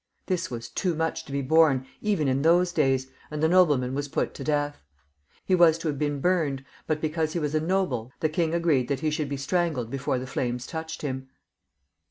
This was too much to be borne, even in those days, and the nobleman was put to death. He was to have been burned, but because he was a noble, the king agreed that he shoifld be strangled before the flames touched him.